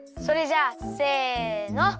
それじゃあせの。